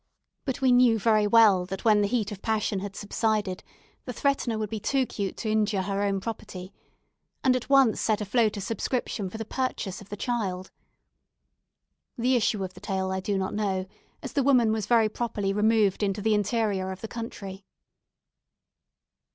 But we knew very well that when the heat of passion had subsided, the threatener would be too 'cute to injure her own property; and at once set afloat a subscription for the purchase of the child. The issue of the tale I do not know, as the woman was very properly removed into the interior of the country.